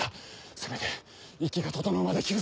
せめて息が整うまで休息を。